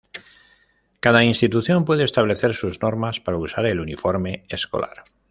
Cada institución puede establecer sus normas para usar el uniforme escolar.